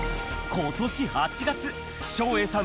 今年８月照英さん